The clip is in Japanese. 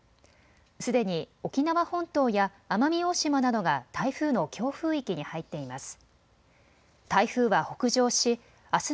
すでに沖縄本島や奄美大島などが台風の強風域に入っています。